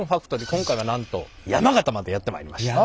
今回はなんと山形までやって参りました。